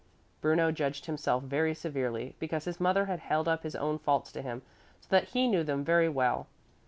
Bruno judged himself very severely, because his mother had held up his own faults to him so that he knew them very well.